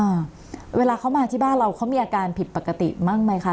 อ่าเวลาเขามาที่บ้านเราเขามีอาการผิดปกติบ้างไหมคะ